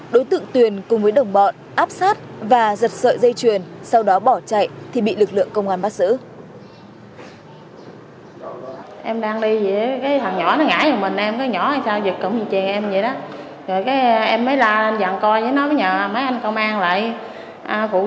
đối tượng tuyền cùng với đồng bọn áp sát và giật sợi dây chuyền sau đó bỏ chạy thì bị lực lượng công an bắt xử